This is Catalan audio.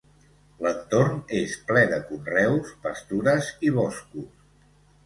L'entorn és ple de conreus, pastures i boscos.